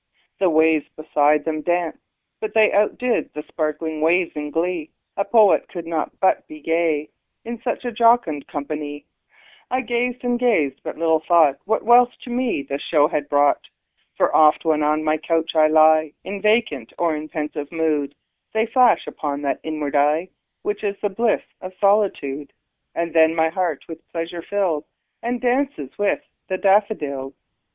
The waves beside them danced; but they Outdid the sparkling waves in glee; A poet could not but be gay, In such a jocund company; I gazed and gazed but little thought What wealth to me the show had brought: For oft, when on my couch I lie In vacant or in pensive mood, They flash upon that inward eye Which is the bliss of solitude; And then my heart with pleasure fills, And dances with the daffodils.